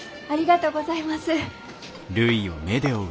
ありがとうございます。